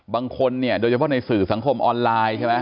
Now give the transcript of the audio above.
บางคนโดยเฉพาะในสื่อสังคมออนไลน์